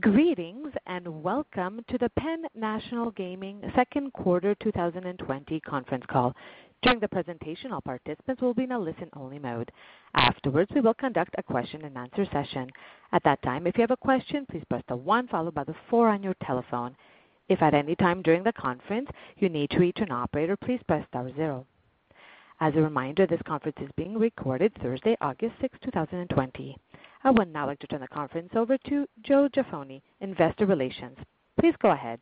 Greetings, welcome to the Penn National Gaming second quarter 2020 conference call. During the presentation, all participants will be in a listen-only mode. Afterwards, we will conduct a question and answer session. At that time, if you have a question, please press the one followed by the four on your telephone. If at any time during the conference you need to reach an operator, please press star zero. As a reminder, this conference is being recorded Thursday, August 6th, 2020. I would now like to turn the conference over to Joe Jaffoni, investor relations. Please go ahead.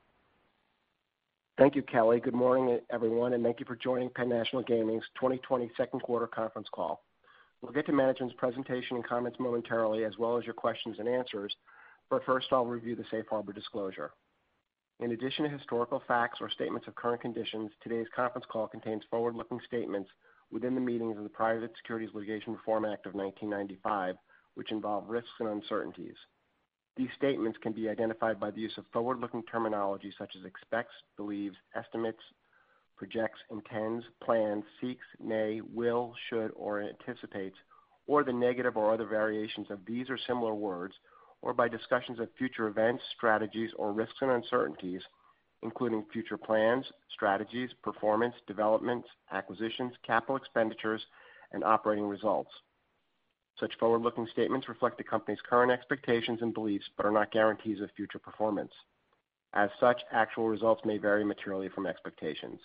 Thank you, Kelly. Good morning, everyone, and thank you for joining Penn National Gaming's 2020 second quarter conference call. We'll get to management's presentation and comments momentarily, as well as your questions and answers, but first, I'll review the safe harbor disclosure. In addition to historical facts or statements of current conditions, today's conference call contains forward-looking statements within the meanings of the Private Securities Litigation Reform Act of 1995, which involve risks and uncertainties. These statements can be identified by the use of forward-looking terminology such as expects, believes, estimates, projects, intends, plans, seeks, may, will, should, or anticipates, or the negative or other variations of these or similar words, or by discussions of future events, strategies, or risks and uncertainties, including future plans, strategies, performance, developments, acquisitions, capital expenditures, and operating results. Such forward-looking statements reflect the company's current expectations and beliefs but are not guarantees of future performance. As such, actual results may vary materially from expectations.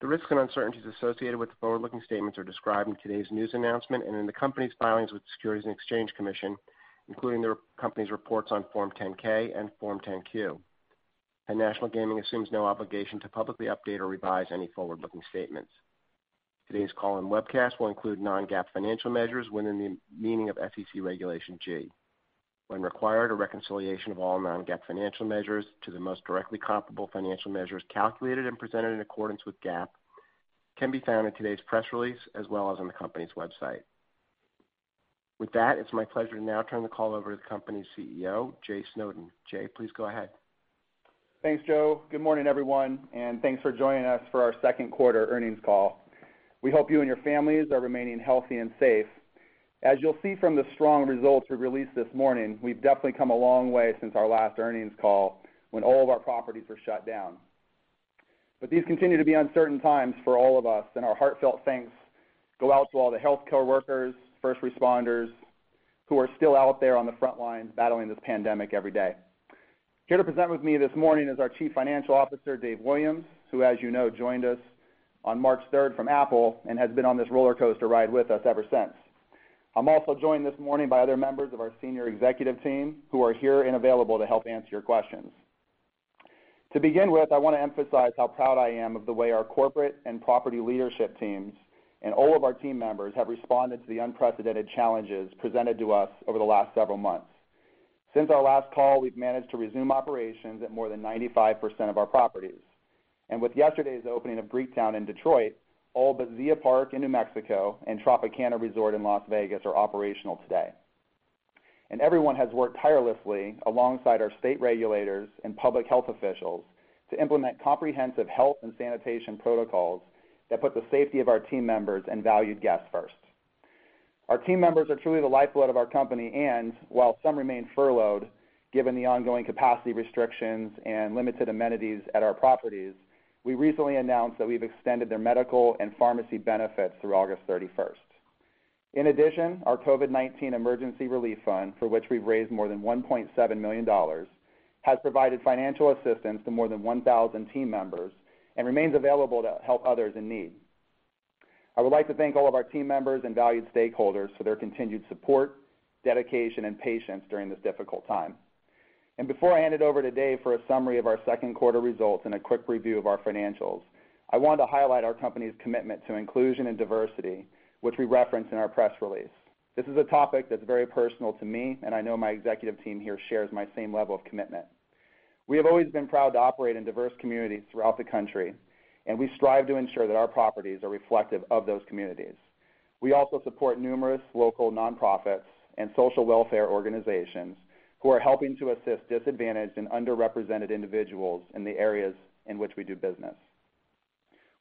The risks and uncertainties associated with the forward-looking statements are described in today's news announcement and in the company's filings with the Securities and Exchange Commission, including the company's reports on Form 10-K and Form 10-Q. National Gaming assumes no obligation to publicly update or revise any forward-looking statements. Today's call and webcast will include non-GAAP financial measures within the meaning of SEC Regulation G. When required, a reconciliation of all non-GAAP financial measures to the most directly comparable financial measures calculated and presented in accordance with GAAP can be found in today's press release, as well as on the company's website. With that, it's my pleasure to now turn the call over to the company's CEO, Jay Snowden. Jay, please go ahead. Thanks, Joe. Good morning, everyone, thanks for joining us for our second quarter earnings call. We hope you and your families are remaining healthy and safe. As you'll see from the strong results we released this morning, we've definitely come a long way since our last earnings call when all of our properties were shut down. These continue to be uncertain times for all of us, and our heartfelt thanks go out to all the healthcare workers, first responders who are still out there on the front lines battling this pandemic every day. Here to present with me this morning is our Chief Financial Officer, Dave Williams, who, as you know, joined us on March 3rd from Apple and has been on this rollercoaster ride with us ever since. I'm also joined this morning by other members of our senior executive team who are here and available to help answer your questions. To begin with, I want to emphasize how proud I am of the way our corporate and property leadership teams and all of our team members have responded to the unprecedented challenges presented to us over the last several months. Since our last call, we've managed to resume operations at more than 95% of our properties. With yesterday's opening of Greektown in Detroit, all but Zia Park in New Mexico and Tropicana Resort in Las Vegas are operational today. Everyone has worked tirelessly alongside our state regulators and public health officials to implement comprehensive health and sanitation protocols that put the safety of our team members and valued guests first. Our team members are truly the lifeblood of our company, and while some remain furloughed, given the ongoing capacity restrictions and limited amenities at our properties, we recently announced that we've extended their medical and pharmacy benefits through August 31st. In addition, our COVID-19 emergency relief fund, for which we've raised more than $1.7 million, has provided financial assistance to more than 1,000 team members and remains available to help others in need. I would like to thank all of our team members and valued stakeholders for their continued support, dedication, and patience during this difficult time. Before I hand it over to Dave for a summary of our second quarter results and a quick review of our financials, I wanted to highlight our company's commitment to inclusion and diversity, which we reference in our press release. This is a topic that's very personal to me, and I know my executive team here shares my same level of commitment. We have always been proud to operate in diverse communities throughout the country, and we strive to ensure that our properties are reflective of those communities. We also support numerous local non-profits and social welfare organizations who are helping to assist disadvantaged and underrepresented individuals in the areas in which we do business.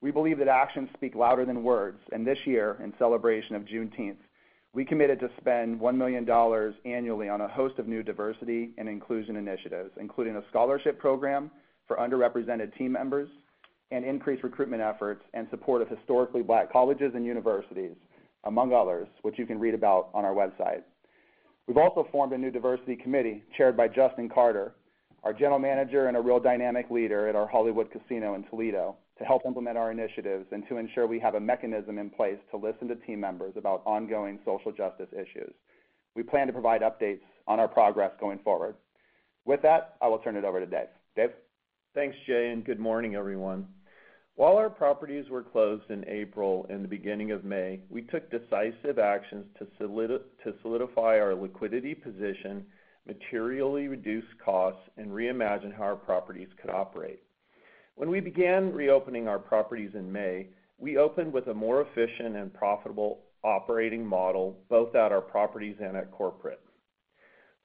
We believe that actions speak louder than words, and this year, in celebration of Juneteenth, we committed to spend $1 million annually on a host of new diversity and inclusion initiatives, including a scholarship program for underrepresented team members and increased recruitment efforts and support of historically Black colleges and universities, among others, which you can read about on our website. We've also formed a new diversity committee chaired by Justin Carter, our general manager and a real dynamic leader at our Hollywood Casino in Toledo, to help implement our initiatives and to ensure we have a mechanism in place to listen to team members about ongoing social justice issues. We plan to provide updates on our progress going forward. With that, I will turn it over to Dave. Dave? Thanks, Jay, and good morning, everyone. While our properties were closed in April and the beginning of May, we took decisive actions to solidify our liquidity position, materially reduce costs, and reimagine how our properties could operate. When we began reopening our properties in May, we opened with a more efficient and profitable operating model, both at our properties and at corporate.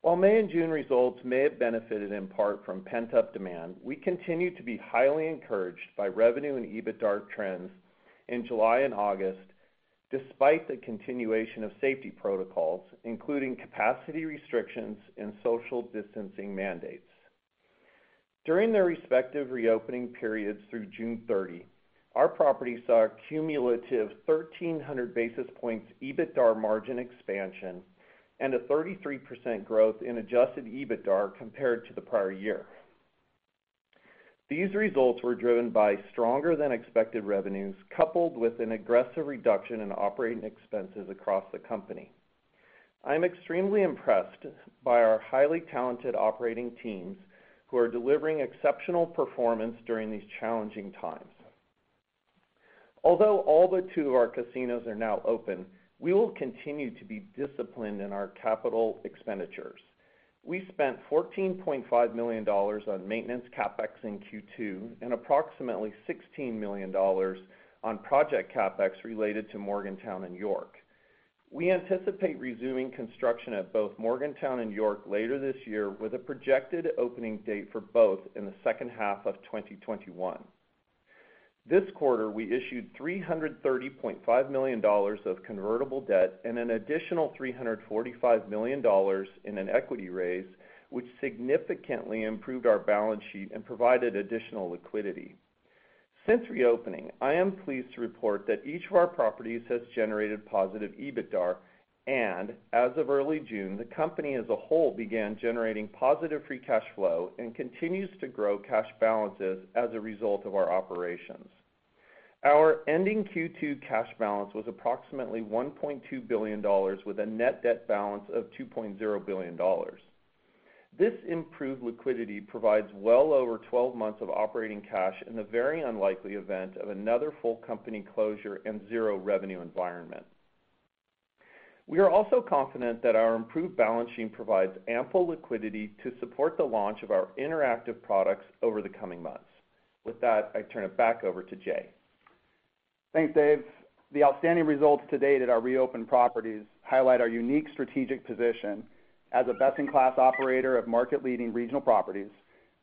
While May and June results may have benefited in part from pent-up demand, we continue to be highly encouraged by revenue and EBITDA trends in July and August. Despite the continuation of safety protocols, including capacity restrictions and social distancing mandates. During their respective reopening periods through June 30, our properties saw a cumulative 1,300 basis points EBITDA margin expansion and a 33% growth in adjusted EBITDA compared to the prior year. These results were driven by stronger than expected revenues, coupled with an aggressive reduction in operating expenses across the company. I am extremely impressed by our highly talented operating teams who are delivering exceptional performance during these challenging times. Although all but two of our casinos are now open, we will continue to be disciplined in our capital expenditures. We spent $14.5 million on maintenance CapEx in Q2 and approximately $16 million on project CapEx related to Morgantown and York. We anticipate resuming construction at both Morgantown and York later this year with a projected opening date for both in the second half of 2021. This quarter, we issued $330.5 million of convertible debt and an additional $345 million in an equity raise, which significantly improved our balance sheet and provided additional liquidity. Since reopening, I am pleased to report that each of our properties has generated positive EBITDA, and as of early June, the company as a whole began generating positive free cash flow and continues to grow cash balances as a result of our operations. Our ending Q2 cash balance was approximately $1.2 billion with a net debt balance of $2.0 billion. This improved liquidity provides well over 12 months of operating cash in the very unlikely event of another full company closure and zero revenue environment. We are also confident that our improved balance sheet provides ample liquidity to support the launch of our interactive products over the coming months. With that, I turn it back over to Jay. Thanks, Dave. The outstanding results to date at our reopened properties highlight our unique strategic position as a best-in-class operator of market-leading regional properties,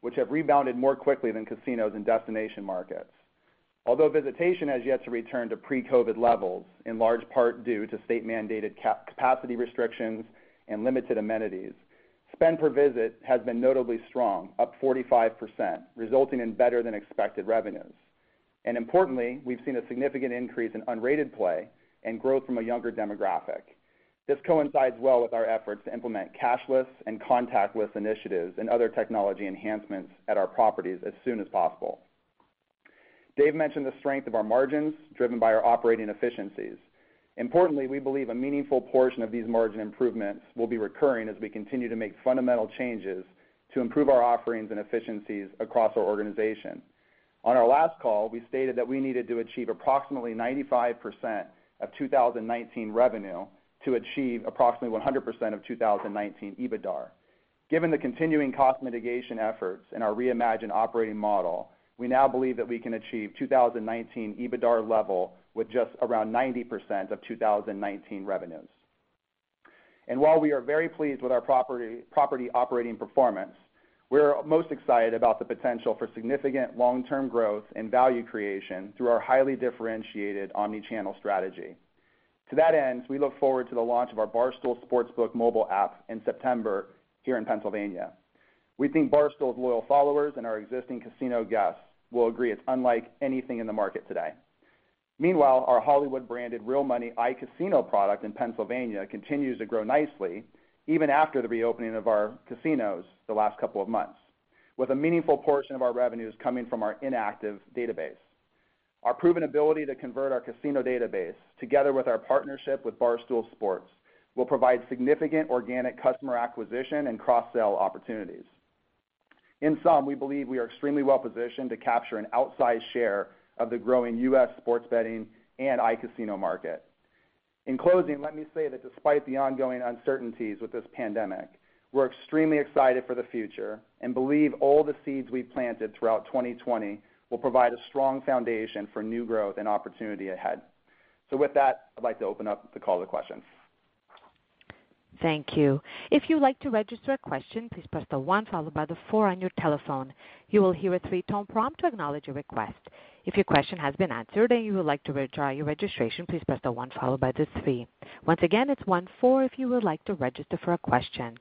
which have rebounded more quickly than casinos in destination markets. Although visitation has yet to return to pre-COVID levels, in large part due to state-mandated capacity restrictions and limited amenities, spend per visit has been notably strong, up 45%, resulting in better than expected revenues. Importantly, we've seen a significant increase in unrated play and growth from a younger demographic. This coincides well with our efforts to implement cashless and contactless initiatives and other technology enhancements at our properties as soon as possible. Dave mentioned the strength of our margins, driven by our operating efficiencies. Importantly, we believe a meaningful portion of these margin improvements will be recurring as we continue to make fundamental changes to improve our offerings and efficiencies across our organization. On our last call, we stated that we needed to achieve approximately 95% of 2019 revenue to achieve approximately 100% of 2019 EBITDA. Given the continuing cost mitigation efforts and our reimagined operating model, we now believe that we can achieve 2019 EBITDA level with just around 90% of 2019 revenues. While we are very pleased with our property operating performance, we are most excited about the potential for significant long-term growth and value creation through our highly differentiated omnichannel strategy. To that end, we look forward to the launch of our Barstool Sportsbook mobile app in September here in Pennsylvania. We think Barstool's loyal followers and our existing casino guests will agree it's unlike anything in the market today. Meanwhile, our Hollywood-branded real money iCasino product in Pennsylvania continues to grow nicely, even after the reopening of our casinos the last couple of months, with a meaningful portion of our revenues coming from our inactive database. Our proven ability to convert our casino database, together with our partnership with Barstool Sports, will provide significant organic customer acquisition and cross-sell opportunities. In sum, we believe we are extremely well-positioned to capture an outsized share of the growing U.S. sports betting and iCasino market. In closing, let me say that despite the ongoing uncertainties with this pandemic, we're extremely excited for the future and believe all the seeds we planted throughout 2020 will provide a strong foundation for new growth and opportunity ahead. With that, I'd like to open up the call to questions. Thank you. If you would like to register a question, please press the one followed by the four on your telephone. You will hear a three-tone prompt to acknowledge your request. If your question has been answered and you would like to withdraw your registration, please press the one followed by the three. Once again, it's one four if you would like to register for a question.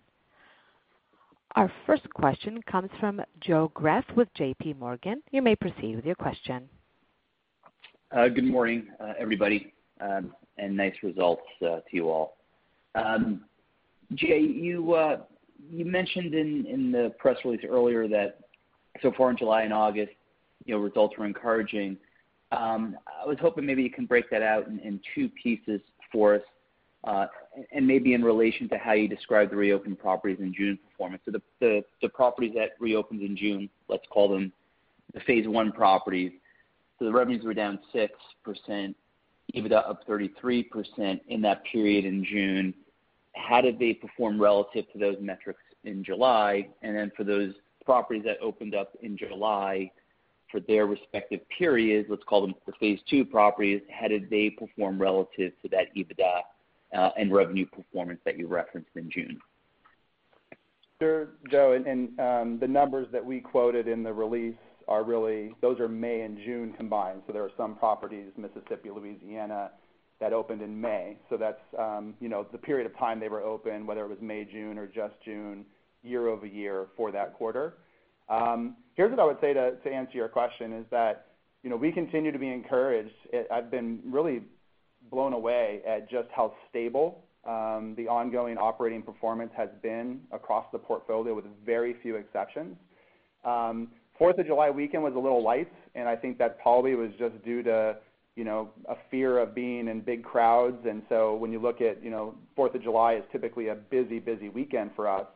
Our first question comes from Joe Greff with JPMorgan. You may proceed with your question. Good morning, everybody, and nice results to you all. Jay, you mentioned in the press release earlier that so far in July and August, results were encouraging. I was hoping maybe you can break that out in two pieces for us, and maybe in relation to how you describe the reopened properties in June performance. The properties that reopened in June, let's call them the phase one properties. The revenues were down 6%, EBITDA up 33% in that period in June. How did they perform relative to those metrics in July? Then for those properties that opened up in July for their respective periods, let's call them the phase two properties, how did they perform relative to that EBITDA and revenue performance that you referenced in June? Sure, Joe. The numbers that we quoted in the release, those are May and June combined. There are some properties, Mississippi, Louisiana, that opened in May. That's the period of time they were open, whether it was May, June, or just June, year-over-year for that quarter. Here's what I would say to answer your question, is that we continue to be encouraged. I've been really blown away at just how stable the ongoing operating performance has been across the portfolio, with very few exceptions. 4th of July weekend was a little light, and I think that probably was just due to a fear of being in big crowds. When you look at 4th of July is typically a busy weekend for us.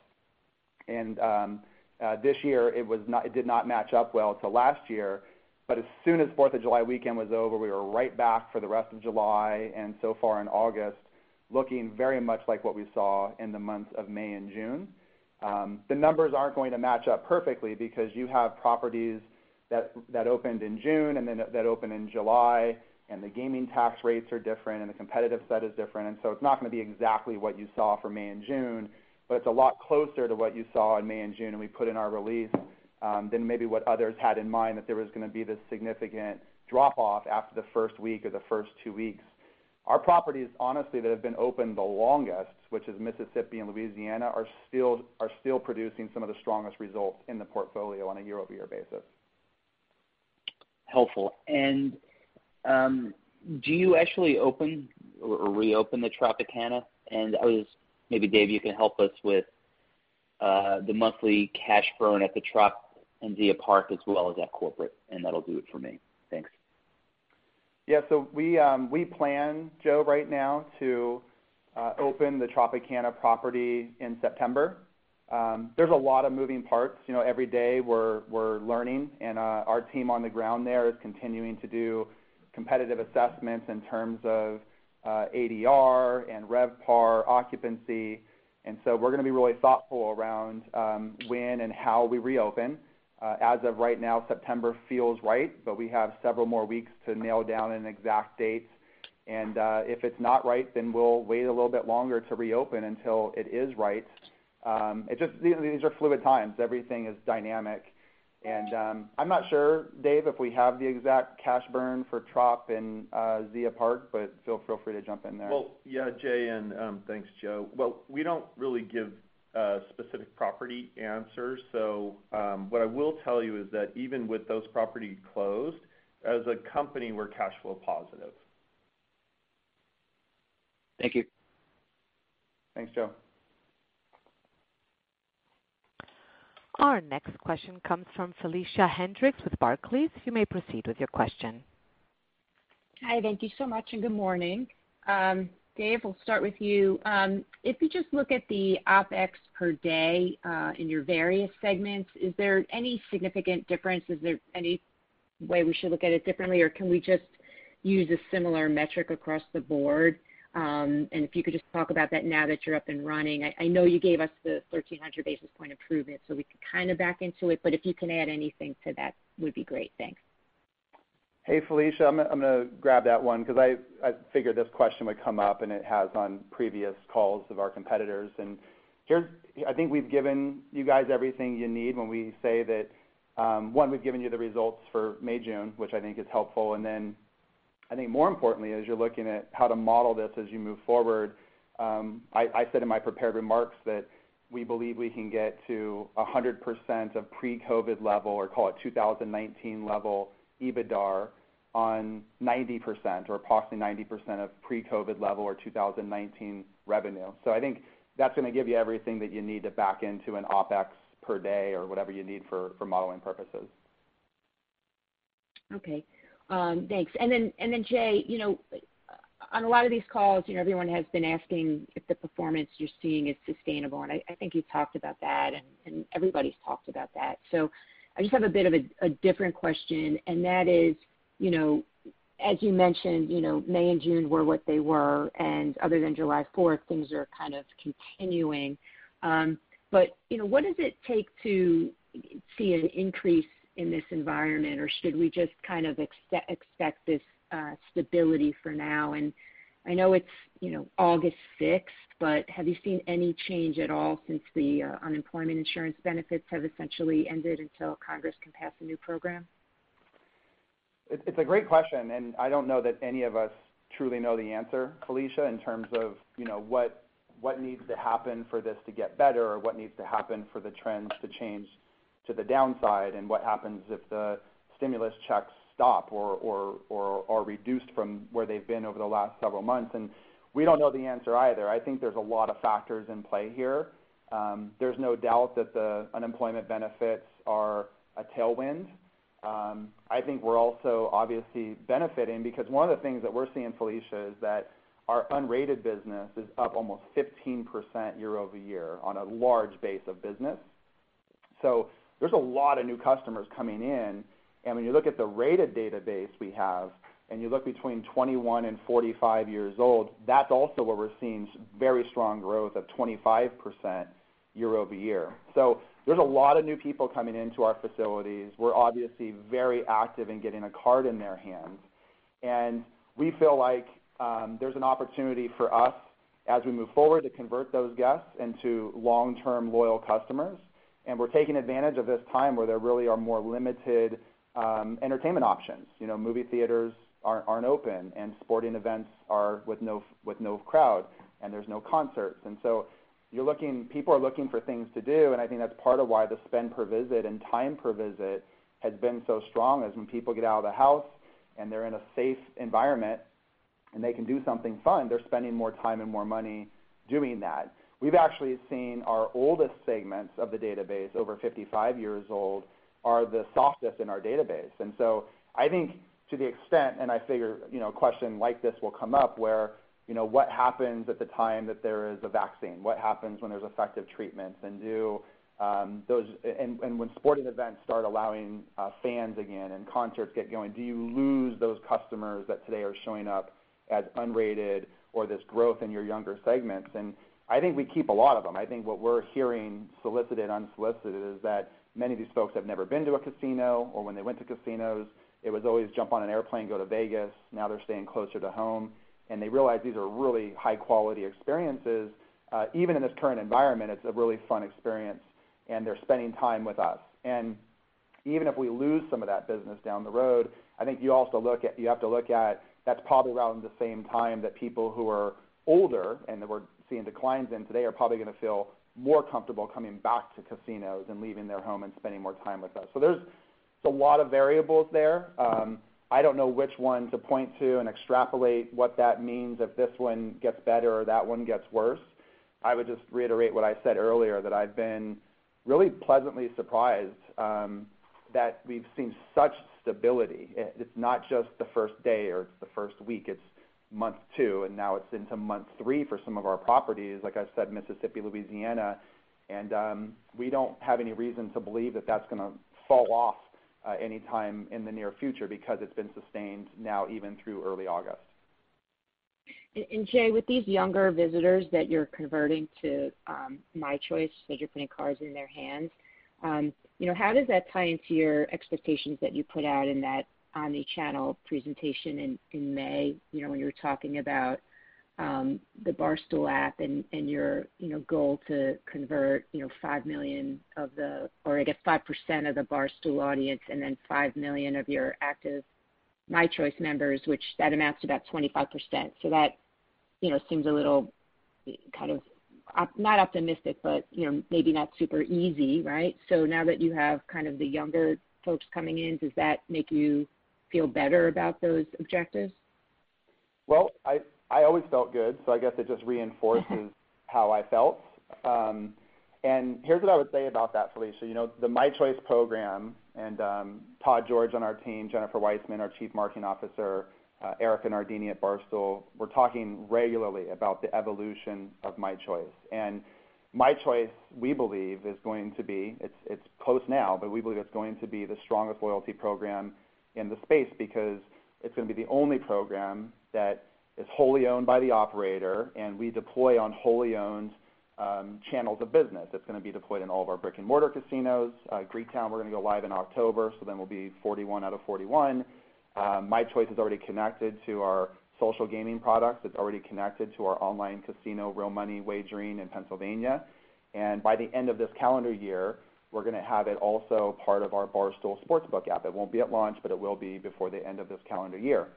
This year it did not match up well to last year. As soon as 4th of July weekend was over, we were right back for the rest of July and so far in August, looking very much like what we saw in the months of May and June. The numbers aren't going to match up perfectly because you have properties that opened in June and then that open in July, and the gaming tax rates are different, and the competitive set is different. It's not going to be exactly what you saw for May and June, but it's a lot closer to what you saw in May and June, and we put in our release, than maybe what others had in mind, that there was going to be this significant drop-off after the first week or the first two weeks. Our properties, honestly, that have been open the longest, which is Mississippi and Louisiana, are still producing some of the strongest results in the portfolio on a year-over-year basis. Helpful. Do you actually open or reopen the Tropicana? Maybe Dave, you can help us with the monthly cash burn at the Trop and Zia Park as well as at corporate, and that'll do it for me. Thanks. Yeah. We plan, Joe, right now to open the Tropicana property in September. There's a lot of moving parts. Every day we're learning, and our team on the ground there is continuing to do competitive assessments in terms of ADR and RevPAR occupancy. We're going to be really thoughtful around when and how we reopen. As of right now, September feels right, but we have several more weeks to nail down an exact date. If it's not right, then we'll wait a little bit longer to reopen until it is right. These are fluid times. Everything is dynamic. I'm not sure, Dave, if we have the exact cash burn for Trop and Zia Park, but feel free to jump in there. Well, yeah, Jay, thanks, Joe. Well, we don't really give specific property answers. What I will tell you is that even with those properties closed, as a company, we're cash flow positive. Thank you. Thanks, Joe. Our next question comes from Felicia Hendrix with Barclays. You may proceed with your question. Hi. Thank you so much. Good morning. Dave, we'll start with you. If you just look at the OpEx per day in your various segments, is there any significant difference? Is there any way we should look at it differently, or can we just use a similar metric across the board? If you could just talk about that now that you're up and running. I know you gave us the 1,300 basis point improvement, so we could kind of back into it, but if you can add anything to that would be great. Thanks. Hey, Felicia. I'm going to grab that one because I figured this question would come up, and it has on previous calls of our competitors. Here, I think we've given you guys everything you need when we say that, one, we've given you the results for May/June, which I think is helpful, then I think more importantly, as you're looking at how to model this as you move forward, I said in my prepared remarks that we believe we can get to 100% of pre-COVID level, or call it 2019 level, EBITDA on 90% or approximately 90% of pre-COVID level or 2019 revenue. I think that's going to give you everything that you need to back into an OpEx per day or whatever you need for modeling purposes. Okay. Thanks. Jay, on a lot of these calls, everyone has been asking if the performance you're seeing is sustainable, and I think you talked about that, and everybody's talked about that. I just have a bit of a different question, and that is, as you mentioned, May and June were what they were, and other than July 4th, things are kind of continuing. What does it take to see an increase in this environment? Should we just kind of expect this stability for now? I know it's August 6th, but have you seen any change at all since the unemployment insurance benefits have essentially ended until Congress can pass a new program? It's a great question. I don't know that any of us truly know the answer, Felicia, in terms of what needs to happen for this to get better or what needs to happen for the trends to change to the downside and what happens if the stimulus checks stop or are reduced from where they've been over the last several months. We don't know the answer either. I think there's a lot of factors in play here. There's no doubt that the unemployment benefits are a tailwind. I think we're also obviously benefiting because one of the things that we're seeing, Felicia, is that our unrated business is up almost 15% year-over-year on a large base of business. There's a lot of new customers coming in, and when you look at the rated database we have and you look between 21 and 45 years old, that's also where we're seeing very strong growth of 25% year-over-year. There's a lot of new people coming into our facilities. We're obviously very active in getting a card in their hands. We feel like there's an opportunity for us as we move forward to convert those guests into long-term loyal customers. We're taking advantage of this time where there really are more limited entertainment options. Movie theaters aren't open and sporting events are with no crowd, and there's no concerts. People are looking for things to do, and I think that's part of why the spend per visit and time per visit has been so strong, as when people get out of the house and they're in a safe environment and they can do something fun, they're spending more time and more money doing that. We've actually seen our oldest segments of the database, over 55 years old, are the softest in our database. I think to the extent, and I figure a question like this will come up, where what happens at the time that there is a vaccine? What happens when there's effective treatments? When sporting events start allowing fans again and concerts get going, do you lose those customers that today are showing up as unrated or this growth in your younger segments? I think we keep a lot of them. I think what we're hearing, solicited, unsolicited, is that many of these folks have never been to a casino or when they went to casinos, it was always jump on an airplane, go to Vegas. Now they're staying closer to home, they realize these are really high-quality experiences. Even in this current environment, it's a really fun experience, they're spending time with us. Even if we lose some of that business down the road, I think you have to look at that's probably around the same time that people who are older and that we're seeing declines in today are probably going to feel more comfortable coming back to casinos and leaving their home and spending more time with us. There's a lot of variables there. I don't know which one to point to and extrapolate what that means if this one gets better or that one gets worse. I would just reiterate what I said earlier, that I've been really pleasantly surprised that we've seen such stability. It's not just the first day or the first week, it's month two, and now it's into month three for some of our properties, like I said, Mississippi, Louisiana. We don't have any reason to believe that that's going to fall off anytime in the near future because it's been sustained now even through early August. Jay, with these younger visitors that you're converting to mychoice, that you're putting cards in their hands, how does that tie into your expectations that you put out in that omnichannel presentation in May, when you were talking about the Barstool app and your goal to convert 5% of the Barstool audience and then 5 million of your active mychoice members, which that amounts to about 25%? That seems a little, not optimistic, but maybe not super easy, right? Now that you have kind of the younger folks coming in, does that make you feel better about those objectives? Well, I always felt good, so I guess it just reinforces how I felt. Here's what I would say about that, Felicia. The mychoice program and Todd George on our team, Jennifer Weissman, our Chief Marketing Officer, Erika Nardini at Barstool. We're talking regularly about the evolution of mychoice. mychoice, we believe is going to be, it's close now, but we believe it's going to be the strongest loyalty program in the space because it's going to be the only program that is wholly owned by the operator, and we deploy on wholly owned channels of business. It's going to be deployed in all of our brick-and-mortar casinos. Greektown, we're going to go live in October, then we'll be 41 out of 41. mychoice is already connected to our social gaming products. It's already connected to our online casino, real money wagering in Pennsylvania. By the end of this calendar year, we're going to have it also part of our Barstool Sportsbook app. It won't be at launch, but it will be before the end of this calendar year.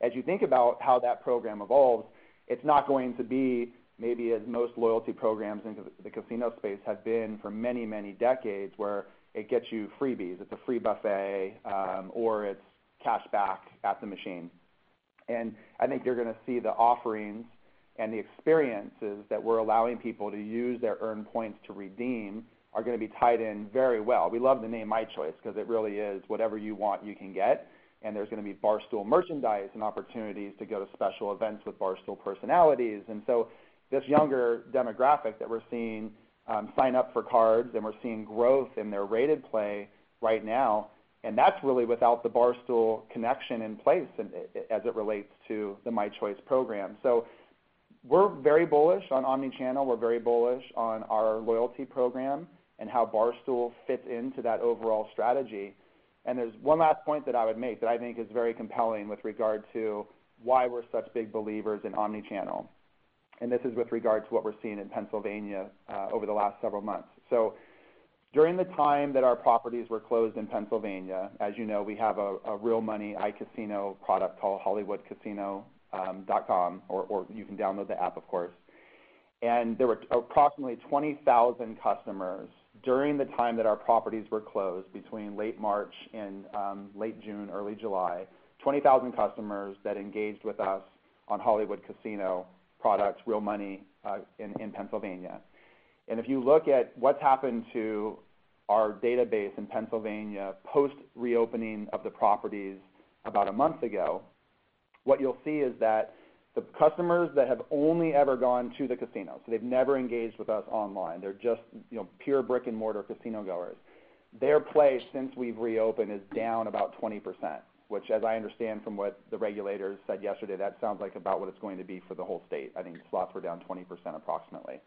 As you think about how that program evolves, it's not going to be maybe as most loyalty programs in the casino space have been for many, many decades, where it gets you freebies. It's a free buffet, or it's cash back at the machine. I think you're going to see the offerings and the experiences that we're allowing people to use their earned points to redeem are going to be tied in very well. We love the name mychoice because it really is whatever you want, you can get. There's going to be Barstool merchandise and opportunities to go to special events with Barstool personalities. This younger demographic that we're seeing sign up for cards, and we're seeing growth in their rated play right now, and that's really without the Barstool connection in place as it relates to the mychoice program. We're very bullish on omnichannel. We're very bullish on our loyalty program and how Barstool fits into that overall strategy. There's one last point that I would make that I think is very compelling with regard to why we're such big believers in omnichannel. This is with regard to what we're seeing in Pennsylvania over the last several months. During the time that our properties were closed in Pennsylvania, as you know, we have a real money iCasino product called hollywoodcasino.com, or you can download the app, of course. There were approximately 20,000 customers during the time that our properties were closed between late March and late June, early July, 20,000 customers that engaged with us on Hollywood Casino products, real money in Pennsylvania. If you look at what's happened to our database in Pennsylvania post reopening of the properties about a month ago, what you'll see is that the customers that have only ever gone to the casinos, so they've never engaged with us online, they're just pure brick-and-mortar casino goers. Their play since we've reopened is down about 20%, which, as I understand from what the regulators said yesterday, that sounds like about what it's going to be for the whole state. I think slots were down 20% approximately.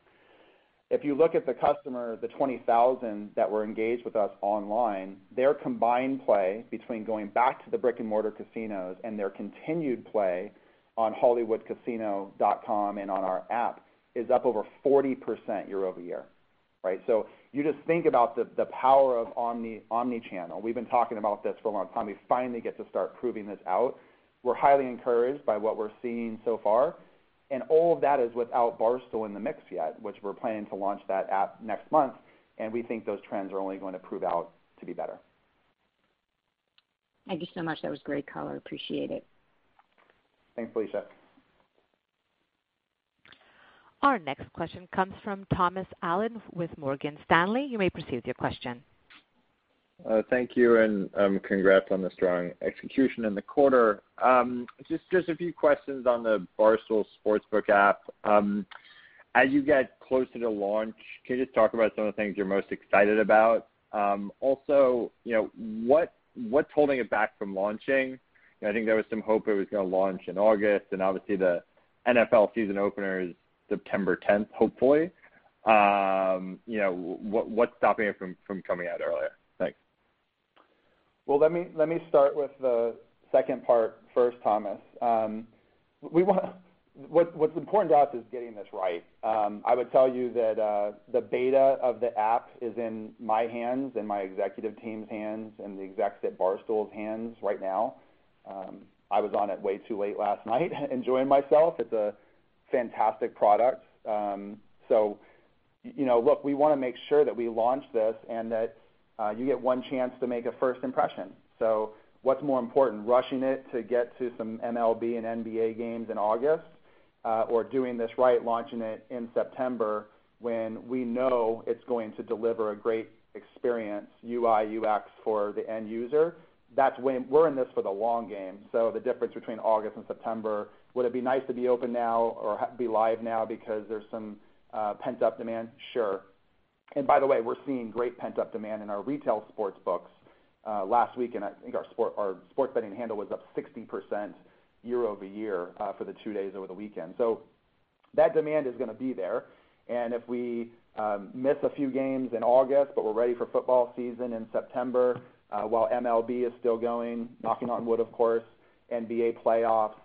If you look at the customer, the 20,000 that were engaged with us online, their combined play between going back to the brick-and-mortar casinos and their continued play on hollywoodcasino.com and on our app is up over 40% year-over-year. You just think about the power of omnichannel. We've been talking about this for a long time. We finally get to start proving this out. We're highly encouraged by what we're seeing so far, and all of that is without Barstool in the mix yet, which we're planning to launch that app next month. We think those trends are only going to prove out to be better. Thank you so much. That was great color. Appreciate it. Thanks, Felicia. Our next question comes from Thomas Allen with Morgan Stanley. You may proceed with your question. Thank you, and congrats on the strong execution in the quarter. Just a few questions on the Barstool Sportsbook app. As you get closer to launch, can you just talk about some of the things you're most excited about? What's holding it back from launching? I think there was some hope it was going to launch in August, and obviously the NFL season opener is September 10th, hopefully. What's stopping it from coming out earlier? Thanks. Well, let me start with the second part first, Thomas. What's important to us is getting this right. I would tell you that the beta of the app is in my hands and my executive team's hands and the execs at Barstool's hands right now. I was on it way too late last night, enjoying myself. It's a fantastic product. Look, we want to make sure that we launch this and that you get one chance to make a first impression. What's more important, rushing it to get to some MLB and NBA games in August, or doing this right, launching it in September when we know it's going to deliver a great experience, UI, UX for the end user? We're in this for the long game, so the difference between August and September, would it be nice to be open now or be live now because there's some pent-up demand? Sure. By the way, we're seeing great pent-up demand in our retail sports books. Last week, I think our sports betting handle was up 60% year-over-year for the two days over the weekend. That demand is going to be there. If we miss a few games in August, but we're ready for football season in September while MLB is still going, knocking on wood, of course, NBA playoffs.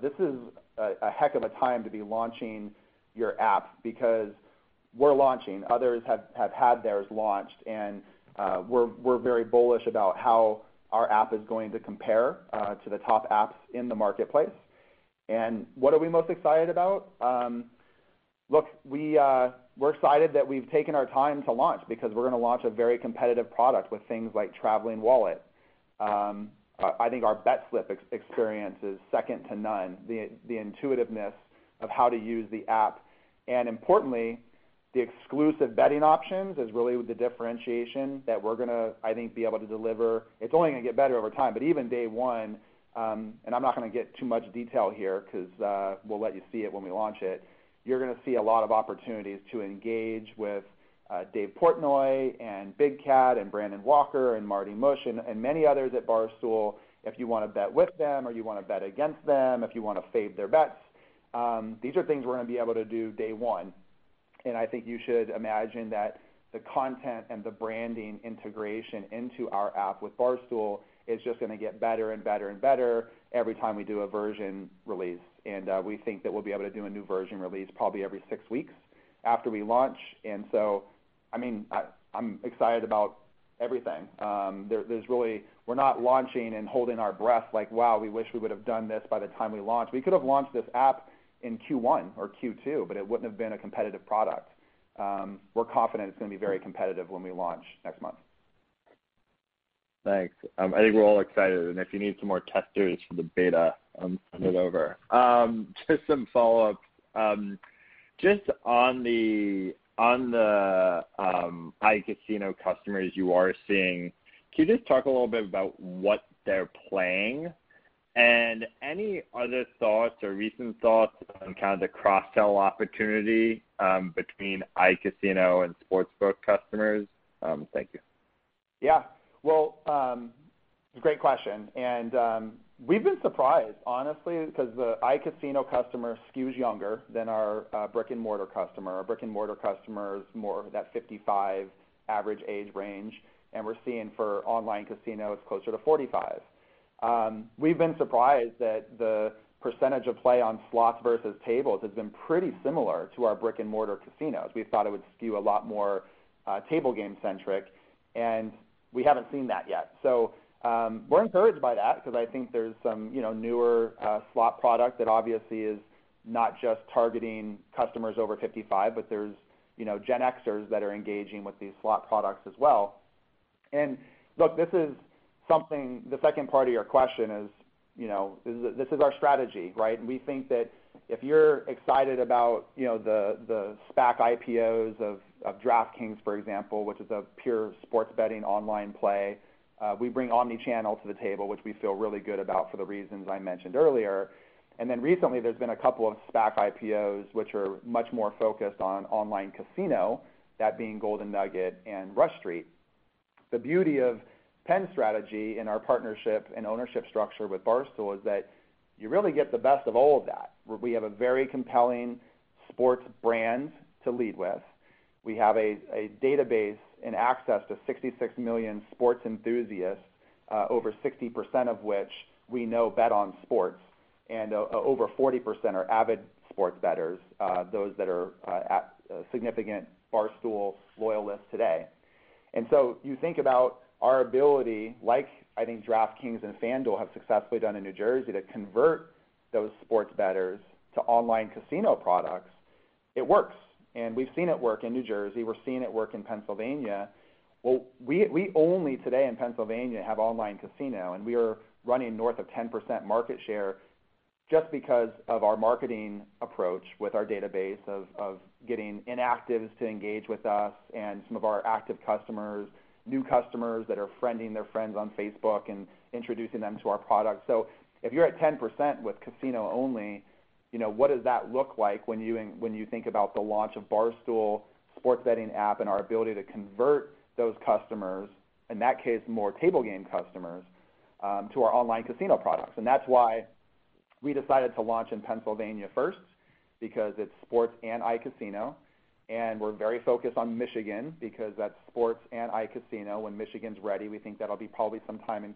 This is a heck of a time to be launching your app because we're launching, others have had theirs launched, and we're very bullish about how our app is going to compare to the top apps in the marketplace. What are we most excited about? Look, we're excited that we've taken our time to launch because we're going to launch a very competitive product with things like traveling wallet. I think our bet slip experience is second to none, the intuitiveness of how to use the app. Importantly, the exclusive betting options is really the differentiation that we're going to, I think, be able to deliver. It's only going to get better over time, but even day one, and I'm not going to get too much detail here because we'll let you see it when we launch it, you're going to see a lot of opportunities to engage with Dave Portnoy and Big Cat and Brandon Walker and Marty Mush and many others at Barstool. If you want to bet with them or you want to bet against them, if you want to fade their bets, these are things we're going to be able to do day one. I think you should imagine that the content and the branding integration into our app with Barstool is just going to get better and better and better every time we do a version release, and we think that we'll be able to do a new version release probably every six weeks after we launch. I'm excited about everything. We're not launching and holding our breath like, "Wow, we wish we would have done this by the time we launched." We could have launched this app in Q1 or Q2, but it wouldn't have been a competitive product. We're confident it's going to be very competitive when we launch next month. Thanks. I think we're all excited, and if you need some more testers for the beta, I'll send it over. Just some follow-ups. Just on the iCasino customers you are seeing, can you just talk a little bit about what they're playing? Any other thoughts or recent thoughts on the cross-sell opportunity between iCasino and sportsbook customers? Thank you. Well, it's a great question. We've been surprised, honestly, because the iCasino customer skews younger than our brick-and-mortar customer. Our brick-and-mortar customer is more that 55 average age range, and we're seeing for online casinos closer to 45. We've been surprised that the percentage of play on slots versus tables has been pretty similar to our brick-and-mortar casinos. We thought it would skew a lot more table game centric, and we haven't seen that yet. We're encouraged by that because I think there's some newer slot product that obviously is not just targeting customers over 55, but there's Gen Xers that are engaging with these slot products as well. Look, the second part of your question is, this is our strategy, right? We think that if you're excited about the SPAC IPOs of DraftKings, for example, which is a pure sports betting online play, we bring omnichannel to the table, which we feel really good about for the reasons I mentioned earlier. Recently, there's been two SPAC IPOs, which are much more focused on iCasino, that being Golden Nugget and Rush Street. The beauty of Penn's strategy in our partnership and ownership structure with Barstool is that you really get the best of all of that. We have a very compelling sports brand to lead with. We have a database and access to 66 million sports enthusiasts, over 60% of which we know bet on sports, and over 40% are avid sports bettors, those that are significant Barstool loyalists today. You think about our ability, like I think DraftKings and FanDuel have successfully done in New Jersey, to convert those sports bettors to online casino products, it works. We've seen it work in New Jersey. We're seeing it work in Pennsylvania. Well, we only today in Pennsylvania have online casino, and we are running north of 10% market share just because of our marketing approach with our database of getting inactives to engage with us and some of our active customers, new customers that are friending their friends on Facebook and introducing them to our products. If you're at 10% with casino only, what does that look like when you think about the launch of Barstool sports betting app and our ability to convert those customers, in that case, more table game customers, to our online casino products? That's why we decided to launch in Pennsylvania first, because it's sports and iCasino, and we're very focused on Michigan because that's sports and iCasino. When Michigan's ready, we think that'll be probably sometime in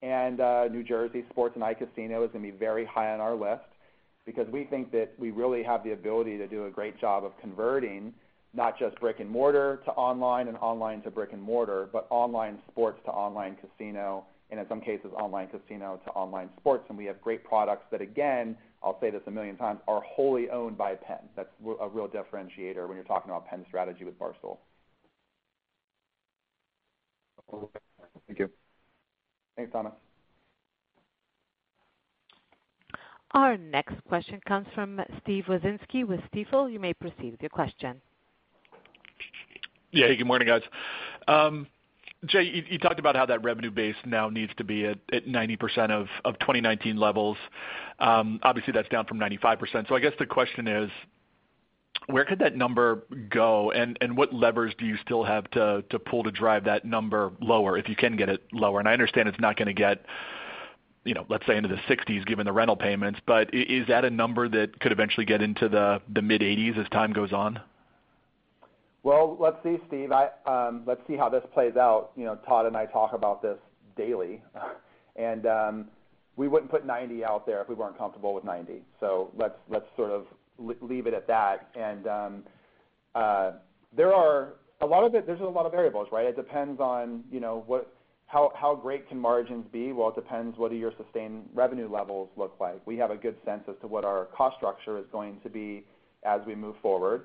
Q4. New Jersey sports and iCasino is going to be very high on our list because we think that we really have the ability to do a great job of converting not just brick-and-mortar to online and online to brick-and-mortar, but online sports to online casino, and in some cases, online casino to online sports. We have great products that, again, I'll say this a million times, are wholly owned by Penn. That's a real differentiator when you're talking about Penn's strategy with Barstool. Okay. Thank you. Thanks, Thomas. Our next question comes from Steve Wieczynski with Stifel. You may proceed with your question. Yeah. Good morning, guys. Jay, you talked about how that revenue base now needs to be at 90% of 2019 levels. Obviously, that's down from 95%. I guess the question is: where could that number go and what levers do you still have to pull to drive that number lower, if you can get it lower? I understand it's not going to get, let's say, into the 60s given the rental payments, but is that a number that could eventually get into the mid-80s as time goes on? Well, let's see, Steve. Let's see how this plays out. Todd and I talk about this daily. We wouldn't put 90% out there if we weren't comfortable with 90%. Let's sort of leave it at that. There's a lot of variables, right? It depends on how great can margins be. Well, it depends what your sustained revenue levels look like. We have a good sense as to what our cost structure is going to be as we move forward.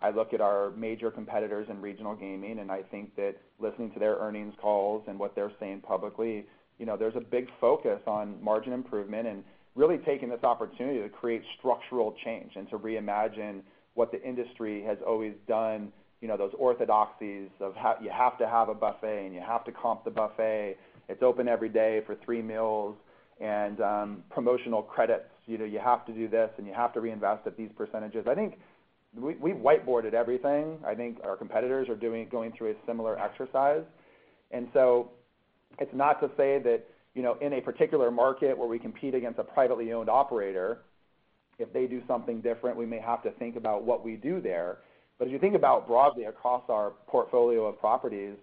I look at our major competitors in regional gaming, and I think that listening to their earnings calls and what they're saying publicly, there's a big focus on margin improvement and really taking this opportunity to create structural change and to reimagine what the industry has always done. Those orthodoxies of, you have to have a buffet and you have to comp the buffet. It's open every day for three meals and promotional credits. You have to do this, and you have to reinvest at these percentages. I think we've white boarded everything. I think our competitors are going through a similar exercise. It's not to say that, in a particular market where we compete against a privately owned operator, if they do something different, we may have to think about what we do there. If you think about broadly across our portfolio of properties,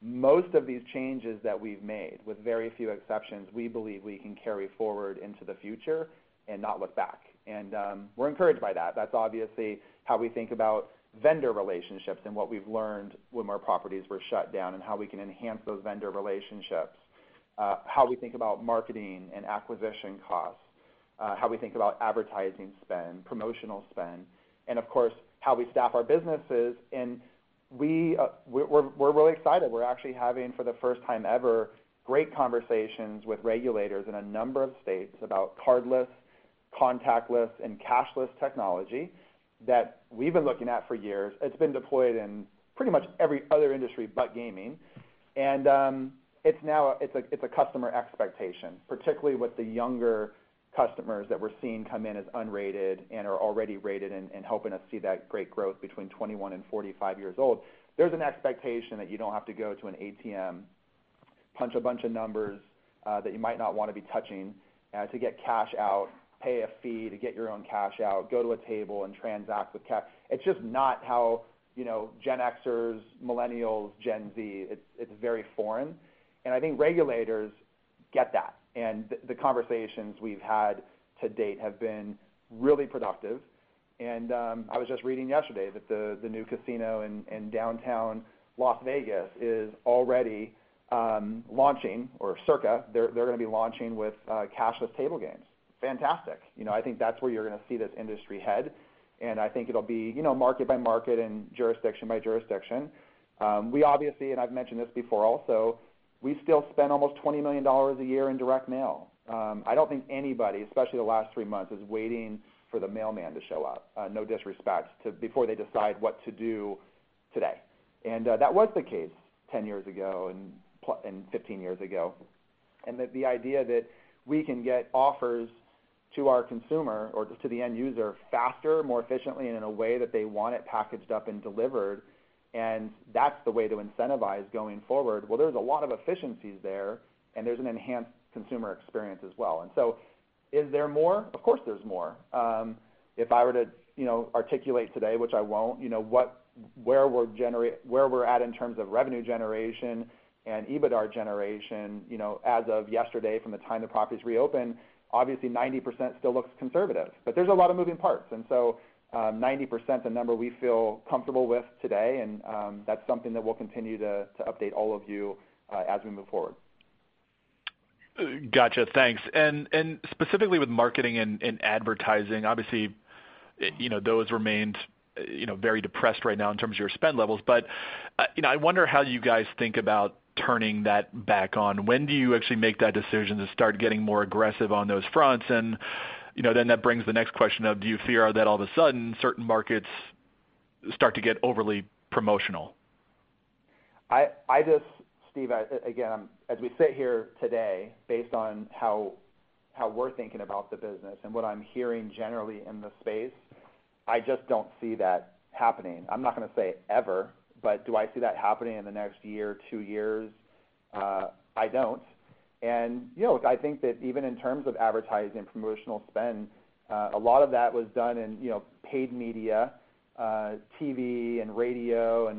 most of these changes that we've made, with very few exceptions, we believe we can carry forward into the future and not look back. We're encouraged by that. That's obviously how we think about vendor relationships and what we've learned when more properties were shut down and how we can enhance those vendor relationships, how we think about marketing and acquisition costs, how we think about advertising spend, promotional spend, and of course, how we staff our businesses. We're really excited. We're actually having, for the first time ever, great conversations with regulators in a number of states about cardless, contactless, and cashless technology that we've been looking at for years. It's been deployed in pretty much every other industry but gaming. It's a customer expectation, particularly with the younger customers that we're seeing come in as unrated and are already rated and helping us see that great growth between 21 and 45 years old. There's an expectation that you don't have to go to an ATM, punch a bunch of numbers that you might not want to be touching to get cash out, pay a fee to get your own cash out, go to a table and transact with cash. It's just not how Gen Xers, millennials, Gen Z, it's very foreign. I think regulators get that. The conversations we've had to date have been really productive. I was just reading yesterday that the new casino in Downtown Las Vegas is already launching, or Circa, they're going to be launching with cashless table games. Fantastic. I think that's where you're going to see this industry head, and I think it'll be market by market and jurisdiction by jurisdiction. We obviously, and I've mentioned this before also, we still spend almost $20 million a year in direct mail. I don't think anybody, especially the last three months, is waiting for the mailman to show up, no disrespect, before they decide what to do today. That was the case 10 years ago and 15 years ago. That the idea that we can get offers to our consumer or just to the end user faster, more efficiently, and in a way that they want it packaged up and delivered. That's the way to incentivize going forward. Well, there's a lot of efficiencies there, and there's an enhanced consumer experience as well. Is there more? Of course, there's more. If I were to articulate today, which I won't, where we're at in terms of revenue generation and EBITDAR generation, as of yesterday from the time the properties reopened, obviously 90% still looks conservative. There's a lot of moving parts, and so 90% is the number we feel comfortable with today. That's something that we'll continue to update all of you as we move forward. Got you. Thanks. Specifically with marketing and advertising, obviously, those remained very depressed right now in terms of your spend levels. I wonder how you guys think about turning that back on. When do you actually make that decision to start getting more aggressive on those fronts? Then that brings the next question of, do you fear that all of a sudden, certain markets start to get overly promotional? Steve, again, as we sit here today, based on how we're thinking about the business and what I'm hearing generally in the space, I just don't see that happening. I'm not going to say ever, but do I see that happening in the next year or two years? I don't. I think that even in terms of advertising promotional spend, a lot of that was done in paid media, TV and radio,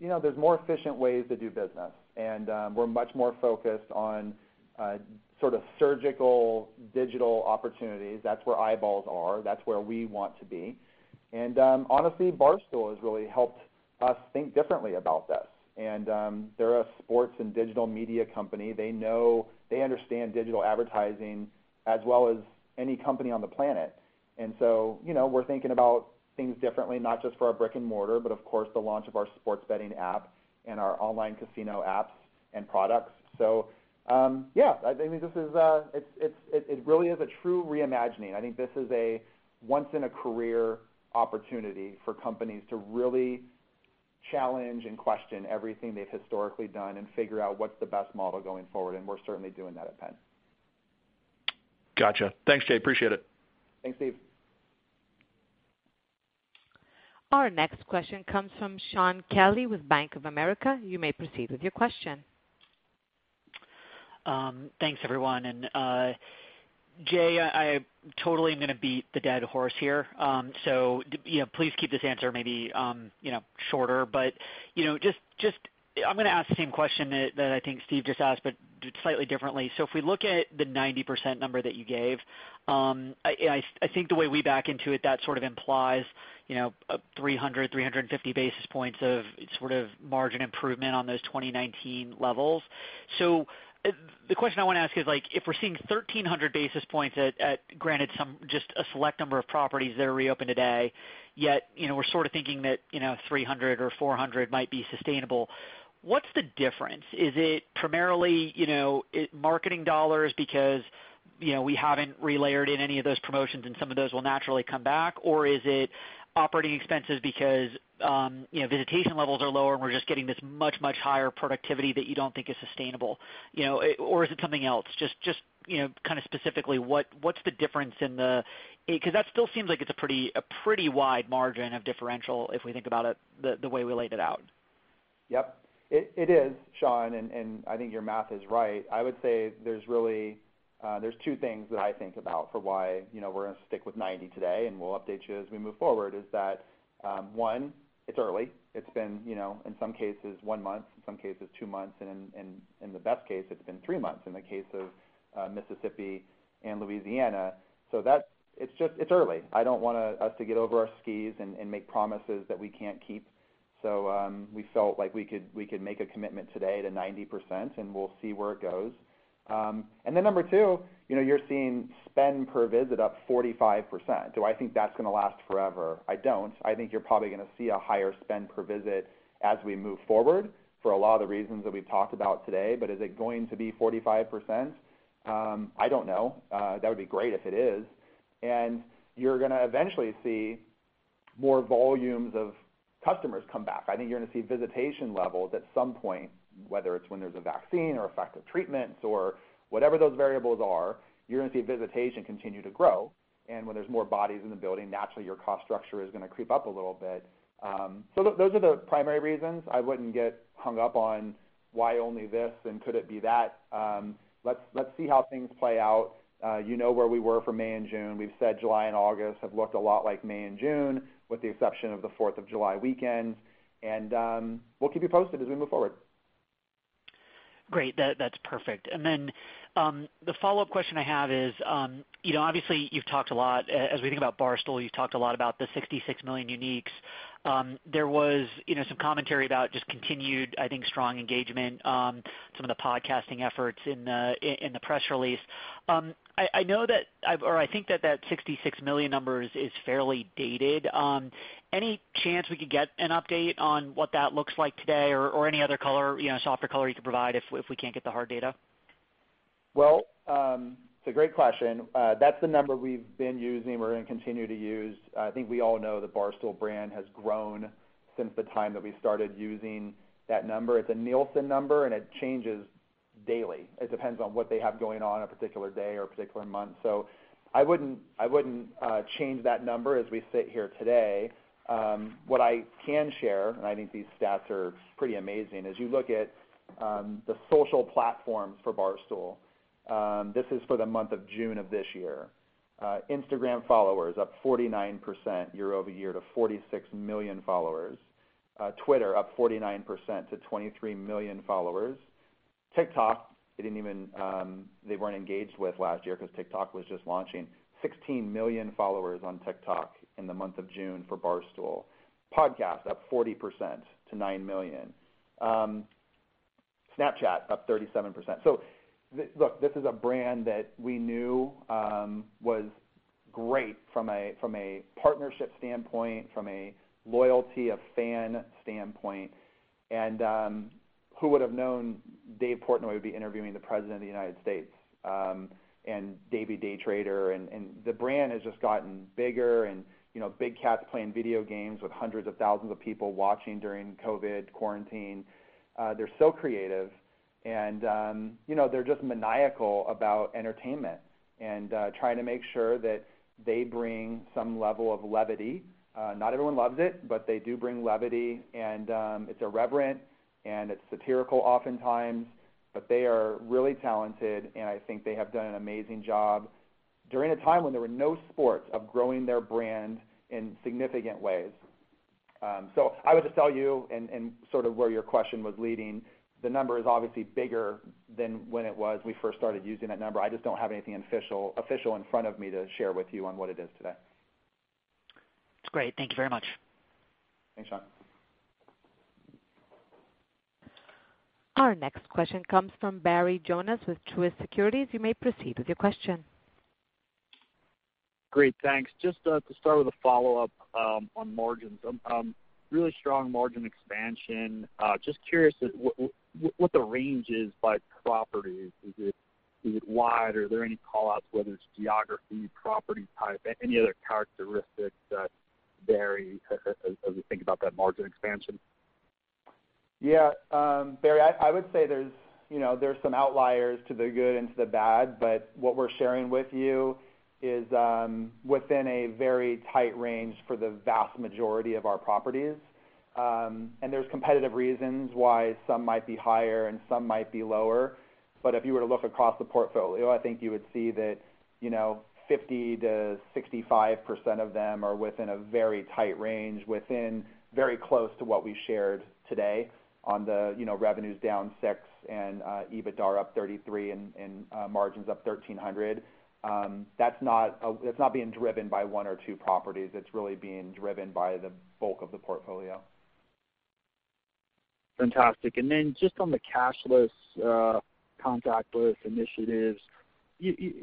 there's more efficient ways to do business. We're much more focused on sort of surgical digital opportunities. That's where eyeballs are. That's where we want to be. Honestly, Barstool has really helped us think differently about this. They're a sports and digital media company. They understand digital advertising as well as any company on the planet. We're thinking about things differently, not just for our brick-and-mortar, but of course, the launch of our sports betting app and our online casino apps and products. Yeah. I think it really is a true reimagining. I think this is a once in a career opportunity for companies to really challenge and question everything they've historically done and figure out what's the best model going forward, and we're certainly doing that at Penn. Got you. Thanks, Jay. Appreciate it. Thanks, Steve. Our next question comes from Shaun Kelley with Bank of America. You may proceed with your question. Thanks, everyone. Jay, I totally am going to beat the dead horse here, so please keep this answer maybe shorter. I'm going to ask the same question that I think Steve just asked, but slightly differently. If we look at the 90% number that you gave, I think the way we back into it, that sort of implies 300, 350 basis points of sort of margin improvement on those 2019 levels. The question I want to ask is, if we're seeing 1,300 basis points at, granted, just a select number of properties that are reopened today, yet we're sort of thinking that 300 or 400 might be sustainable, what's the difference? Is it primarily marketing dollars because we haven't relayered in any of those promotions and some of those will naturally come back, or is it operating expenses because visitation levels are lower and we're just getting this much, much higher productivity that you don't think is sustainable? Or is it something else? Just kind of specifically, what's the difference? That still seems like it's a pretty wide margin of differential if we think about it the way we laid it out. Yep. It is, Shaun. I think your math is right. I would say there's two things that I think about for why we're going to stick with 90% today. We'll update you as we move forward, is that, one, it's early. It's been, in some cases, one month, in some cases, two months. In the best case, it's been three months in the case of Mississippi and Louisiana. It's early. I don't want us to get over our skis and make promises that we can't keep. We felt like we could make a commitment today to 90%. We'll see where it goes. Number two, you're seeing spend per visit up 45%. Do I think that's going to last forever? I don't. I think you're probably going to see a higher spend per visit as we move forward for a lot of the reasons that we've talked about today. Is it going to be 45%? I don't know. That would be great if it is. You're going to eventually see more volumes of customers come back. I think you're going to see visitation levels at some point, whether it's when there's a vaccine or effective treatments or whatever those variables are, you're going to see visitation continue to grow. When there's more bodies in the building, naturally, your cost structure is going to creep up a little bit. Those are the primary reasons. I wouldn't get hung up on why only this and could it be that. Let's see how things play out. You know where we were for May and June. We've said July and August have looked a lot like May and June, with the exception of the 4th of July weekend. We'll keep you posted as we move forward. Great. That's perfect. The follow-up question I have is, obviously you've talked a lot, as we think about Barstool, you've talked a lot about the 66 million uniques. There was some commentary about just continued, I think, strong engagement, some of the podcasting efforts in the press release. I think that that 66 million number is fairly dated. Any chance we could get an update on what that looks like today or any other softer color you could provide if we can't get the hard data? It's a great question. That's the number we've been using, we're going to continue to use. I think we all know the Barstool brand has grown since the time that we started using that number. It's a Nielsen number, and it changes daily. It depends on what they have going on a particular day or a particular month. I wouldn't change that number as we sit here today. What I can share, and I think these stats are pretty amazing, as you look at the social platforms for Barstool, this is for the month of June of this year. Instagram followers up 49% year-over-year to 46 million followers. Twitter up 49% to 23 million followers. TikTok, they weren't engaged with last year because TikTok was just launching. 16 million followers on TikTok in the month of June for Barstool. Podcast up 40% to 9 million. Snapchat up 37%. Look, this is a brand that we knew was great from a partnership standpoint, from a loyalty, a fan standpoint. Who would have known Dave Portnoy would be interviewing the President of the United States, and Davey Day Trader, and the brand has just gotten bigger and Big Cat playing video games with hundreds of thousands of people watching during COVID quarantine. They're so creative and they're just maniacal about entertainment and trying to make sure that they bring some level of levity. Not everyone loves it, they do bring levity, and it's irreverent and it's satirical oftentimes. They are really talented, and I think they have done an amazing job during a time when there were no sports of growing their brand in significant ways. I would just tell you and sort of where your question was leading, the number is obviously bigger than when it was we first started using that number. I just don't have anything official in front of me to share with you on what it is today. That's great. Thank you very much. Thanks, Shaun. Our next question comes from Barry Jonas with Truist Securities. You may proceed with your question. Great, thanks. Just to start with a follow-up on margins. Really strong margin expansion. Just curious what the range is by property. Is it wide? Are there any callouts, whether it's geography, property type, any other characteristics that vary as we think about that margin expansion? Yeah. Barry, I would say there's some outliers to the good and to the bad, but what we're sharing with you is within a very tight range for the vast majority of our properties. There's competitive reasons why some might be higher and some might be lower. If you were to look across the portfolio, I think you would see that 50%-65% of them are within a very tight range, within very close to what we shared today on the revenues down six and EBITDA up 33% and margins up 1,300. That's not being driven by one or two properties. It's really being driven by the bulk of the portfolio. Fantastic. Then just on the cashless, contactless initiatives,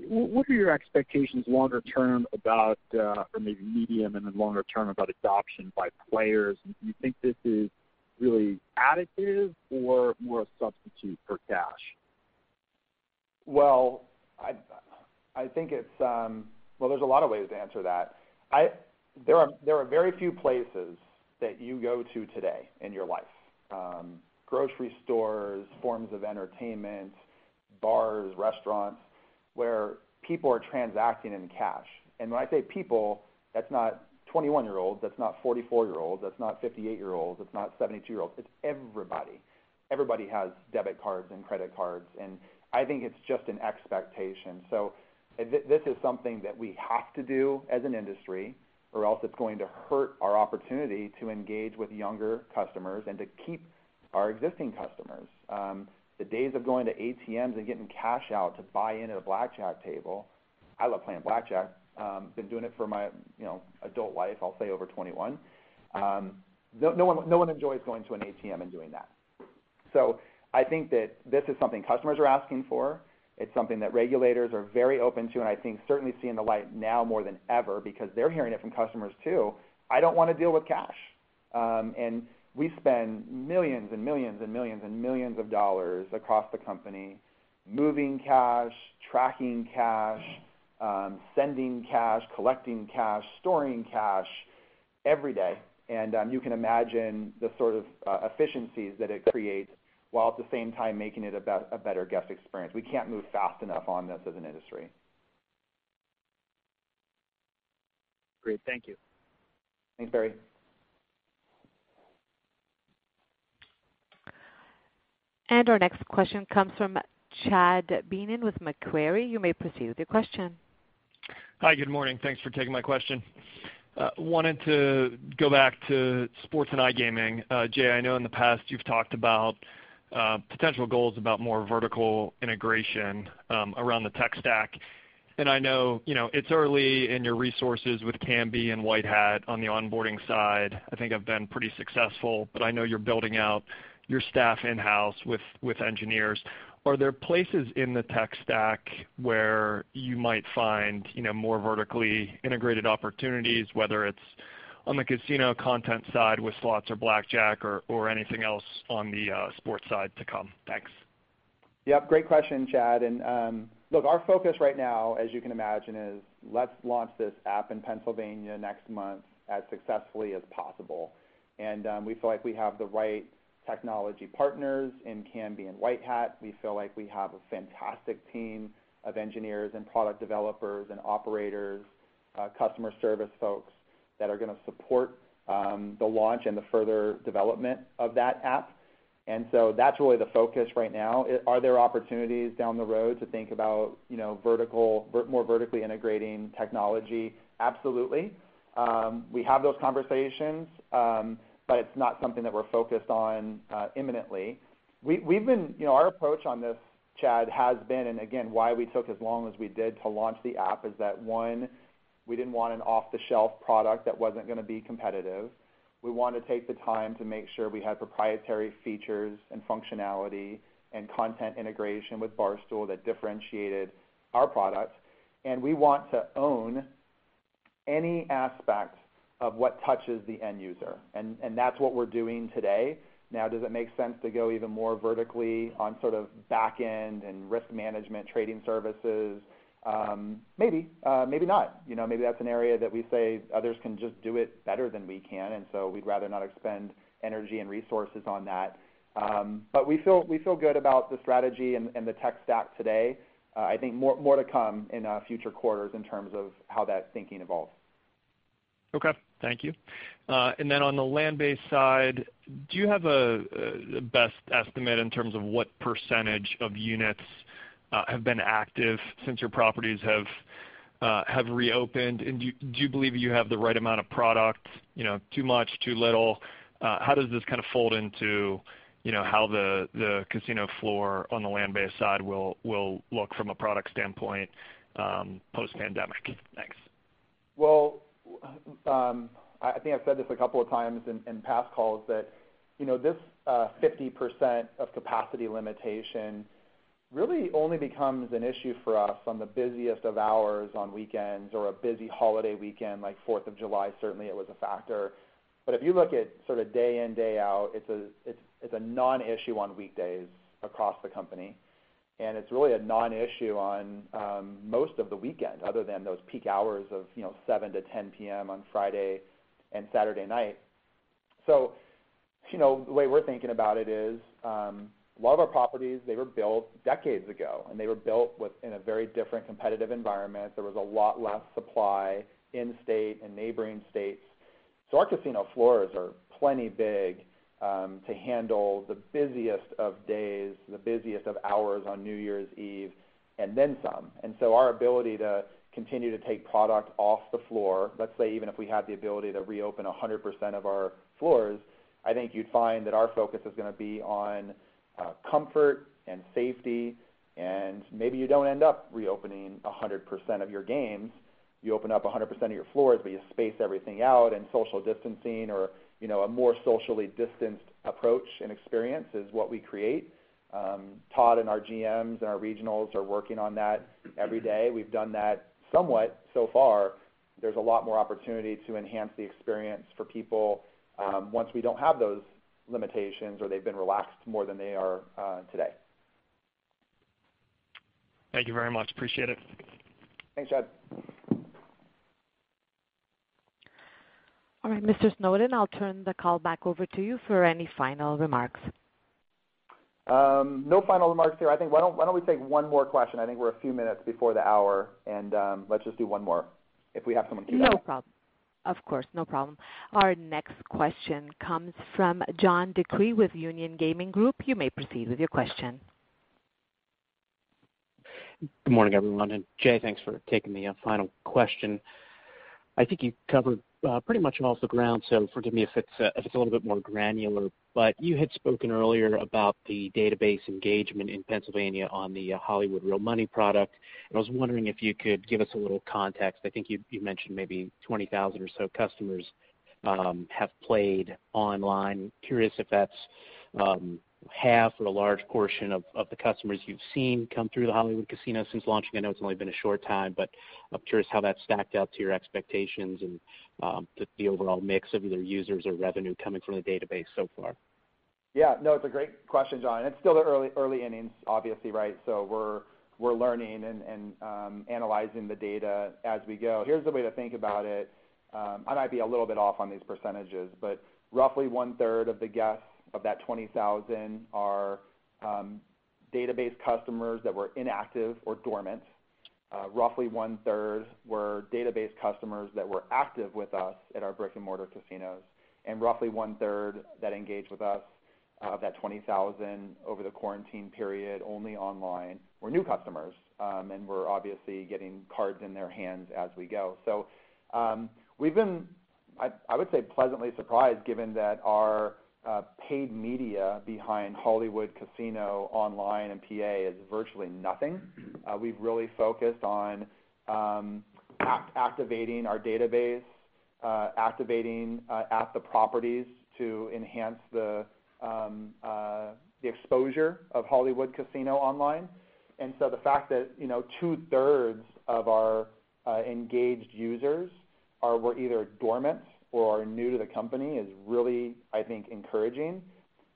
what are your expectations longer term about, or maybe medium and then longer term, about adoption by players? Do you think this is really additive or more a substitute for cash? Well, there's a lot of ways to answer that. There are very few places that you go to today in your life, grocery stores, forms of entertainment, bars, restaurants, where people are transacting in cash. When I say people, that's not 21-year-olds, that's not 44-year-olds, that's not 58-year-olds, that's not 72-year-olds. It's everybody. Everybody has debit cards and credit cards, I think it's just an expectation. This is something that we have to do as an industry, or else it's going to hurt our opportunity to engage with younger customers and to keep our existing customers. The days of going to ATMs and getting cash out to buy in at a blackjack table, I love playing blackjack. Been doing it for my adult life, I'll say over 21. No one enjoys going to an ATM and doing that. I think that this is something customers are asking for. It's something that regulators are very open to, and I think certainly seeing the light now more than ever because they're hearing it from customers, too. I don't want to deal with cash. We spend millions and millions and millions and millions of dollars across the company moving cash, tracking cash, sending cash, collecting cash, storing cash every day. You can imagine the sort of efficiencies that it creates while at the same time making it a better guest experience. We can't move fast enough on this as an industry. Great. Thank you. Thanks, Barry. Our next question comes from Chad Beynon with Macquarie. You may proceed with your question. Hi, good morning. Thanks for taking my question. Wanted to go back to sports and iGaming. Jay, I know in the past you've talked about potential goals about more vertical integration around the tech stack, and I know it's early in your resources with Kambi and White Hat on the onboarding side. I think have been pretty successful, but I know you're building out your staff in-house with engineers. Are there places in the tech stack where you might find more vertically integrated opportunities, whether it's on the casino content side with slots or blackjack or anything else on the sports side to come? Thanks. Yep, great question, Chad. Look, our focus right now, as you can imagine, is let's launch this app in Pennsylvania next month as successfully as possible. We feel like we have the right technology partners in Kambi and White Hat. We feel like we have a fantastic team of engineers and product developers and operators, customer service folks that are going to support the launch and the further development of that app. That's really the focus right now. Are there opportunities down the road to think about more vertically integrating technology? Absolutely. We have those conversations, but it's not something that we're focused on imminently. Our approach on this, Chad, has been, and again, why we took as long as we did to launch the app is that one, we didn't want an off-the-shelf product that wasn't going to be competitive. We want to take the time to make sure we had proprietary features and functionality and content integration with Barstool that differentiated our product. We want to own any aspect of what touches the end user, and that's what we're doing today. Does it make sense to go even more vertically on sort of back end and risk management, trading services? Maybe, maybe not. Maybe that's an area that we say others can just do it better than we can, and so we'd rather not expend energy and resources on that. We feel good about the strategy and the tech stack today. I think more to come in future quarters in terms of how that thinking evolves. Okay, thank you. On the land-based side, do you have a best estimate in terms of what percentage of units have been active since your properties have reopened? Do you believe you have the right amount of product? Too much, too little? How does this kind of fold into how the casino floor on the land-based side will look from a product standpoint post-pandemic? Thanks. Well, I think I've said this a couple of times in past calls that this 50% of capacity limitation really only becomes an issue for us on the busiest of hours on weekends or a busy holiday weekend, like 4th of July, certainly it was a factor. If you look at sort of day in, day out, it's a non-issue on weekdays across the company, and it's really a non-issue on most of the weekend other than those peak hours of 7:00 P.M.-10:00 P.M. on Friday and Saturday night. The way we're thinking about it is a lot of our properties, they were built decades ago, and they were built within a very different competitive environment. There was a lot less supply in state and neighboring states. Our casino floors are plenty big to handle the busiest of days, the busiest of hours on New Year's Eve, and then some. Our ability to continue to take product off the floor, let's say even if we had the ability to reopen 100% of our floors, I think you'd find that our focus is going to be on comfort and safety, and maybe you don't end up reopening 100% of your games. You open up 100% of your floors, but you space everything out and social distancing or a more socially distanced approach and experience is what we create. Todd and our GMs and our regionals are working on that every day. We've done that somewhat so far. There's a lot more opportunity to enhance the experience for people once we don't have those limitations or they've been relaxed more than they are today. Thank you very much. Appreciate it. Thanks, Chad. All right, Mr. Snowden, I'll turn the call back over to you for any final remarks. No final remarks here. I think why don't we take one more question. I think we're a few minutes before the hour. Let's just do one more if we have someone queued up. No problem. Of course, no problem. Our next question comes from John DeCree with Union Gaming Group. You may proceed with your question. Good morning, everyone. Jay, thanks for taking the final question. I think you covered pretty much most of the ground, so forgive me if it's a little bit more granular. You had spoken earlier about the database engagement in Pennsylvania on the Hollywood real money product. I was wondering if you could give us a little context. I think you mentioned maybe 20,000 or so customers have played online. Curious if that's half or a large portion of the customers you've seen come through the Hollywood Casino since launching. I know it's only been a short time, but I'm curious how that stacked up to your expectations and just the overall mix of either users or revenue coming from the database so far. No, it's a great question, John. It's still the early innings, obviously, right. We're learning and analyzing the data as we go. Here's the way to think about it. I might be a little bit off on these percentages, but roughly one-third of the guests of that 20,000 are database customers that were inactive or dormant. Roughly one-third were database customers that were active with us at our brick-and-mortar casinos, and roughly one-third that engaged with us of that 20,000 over the quarantine period only online were new customers. We're obviously getting cards in their hands as we go. We've been, I would say, pleasantly surprised given that our paid media behind Hollywood Casino online in PA is virtually nothing. We've really focused on activating our database, activating at the properties to enhance the exposure of Hollywood Casino online. The fact that 2/3 of our engaged users were either dormant or are new to the company is really, I think, encouraging.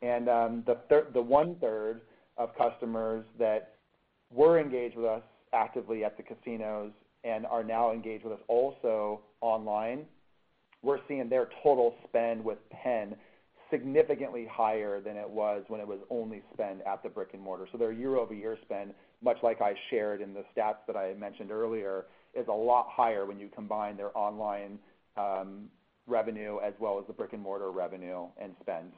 The 1/3 of customers that were engaged with us actively at the casinos and are now engaged with us also online, we're seeing their total spend with Penn significantly higher than it was when it was only spent at the brick-and-mortar. Their year-over-year spend, much like I shared in the stats that I had mentioned earlier, is a lot higher when you combine their online revenue as well as the brick-and-mortar revenue and spend.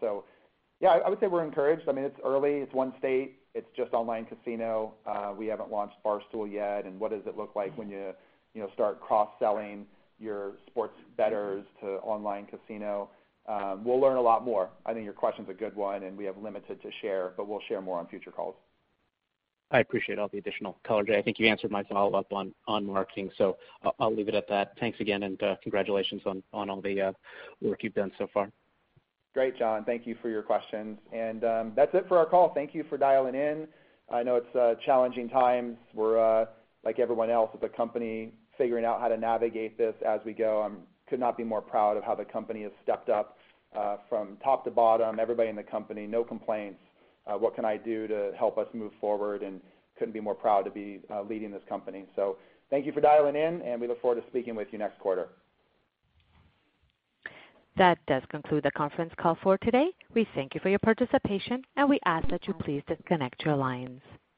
Yeah, I would say we're encouraged. It's early. It's one state. It's just online casino. We haven't launched Barstool yet, and what does it look like when you start cross-selling your sports bettors to online casino? We'll learn a lot more. I think your question's a good one, and we have limited to share, but we'll share more on future calls. I appreciate all the additional color, Jay. I think you answered my follow-up on marketing. I'll leave it at that. Thanks again. Congratulations on all the work you've done so far. Great, John. Thank you for your questions. That's it for our call. Thank you for dialing in. I know it's challenging times. We're, like everyone else, as a company, figuring out how to navigate this as we go. I could not be more proud of how the company has stepped up from top to bottom, everybody in the company, no complaints. What can I do to help us move forward? Couldn't be more proud to be leading this company. Thank you for dialing in, and we look forward to speaking with you next quarter. That does conclude the conference call for today. We thank you for your participation. We ask that you please disconnect your lines.